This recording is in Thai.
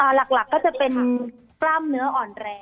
หลักก็จะเป็นกล้ามเนื้ออ่อนแรง